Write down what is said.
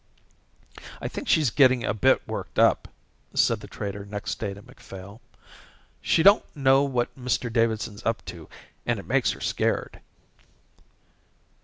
"I think she's getting a bit worked up," said the trader next day to Macphail. "She don't know what Mr Davidson's up to and it makes her scared."